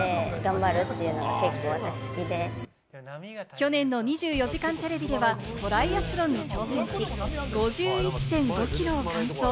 去年の『２４時間テレビ』ではトライアスロンに挑戦、５１．５ｋｍを完走。